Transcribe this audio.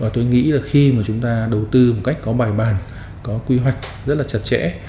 tôi nghĩ khi chúng ta đầu tư một cách có bài bàn có quy hoạch rất chặt chẽ